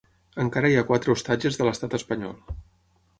Encara hi ha quatre ostatges de l’estat espanyol.